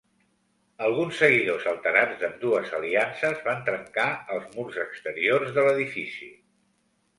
Alguns seguidors alterats d'ambdues aliances van trencar els murs exteriors de l'edifici.